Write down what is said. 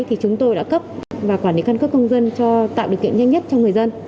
thì chúng tôi đã cấp và quản lý căn cước công dân cho tạo điều kiện nhanh nhất cho người dân